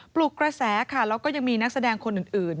ปลุกกระแสค่ะแล้วก็ยังมีนักแสดงคนอื่น